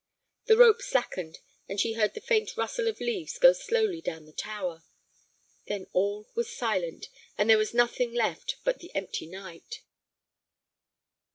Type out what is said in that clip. The rope slackened, and she heard the faint rustle of leaves go slowly down the tower. Then all was silent, and there was nothing left but the empty night.